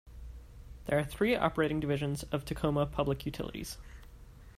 There are three operating divisions of Tacoma Public Utilities.